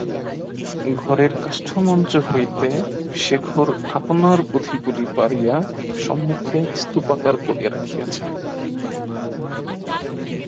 ঘরের কাষ্ঠমঞ্চ হইতে শেখর আপনার পুঁথিগুলি পাড়িয়া সম্মুখে স্তূপাকার করিয়া রাখিয়াছেন।